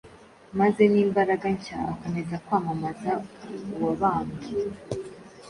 maze n’imbaraga nshya, akomeza kwamamaza Uwabambwe.